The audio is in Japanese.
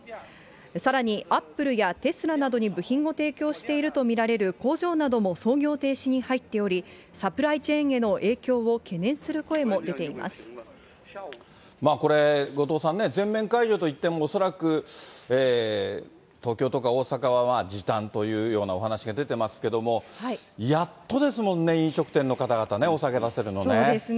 さらにアップルやテスラなどに部品を提供していると見られる工場なども操業停止に入っており、サプライチェーンへの影響を懸念すこれ、後藤さんね、全面解除といっても、恐らく東京とか大阪は時短というようなお話が出てますけども、やっとですもんね、飲食店の方々ね、お酒出せるのね。